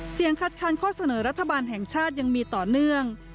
คัดค้านข้อเสนอรัฐบาลแห่งชาติยังมีต่อเนื่อง